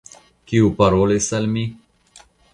Kiu parolis al mi?